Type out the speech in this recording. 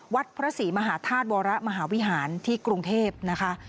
วัดพระศรีมหาธาตุวรมหาวิหารที่กรุงเทพนะคะ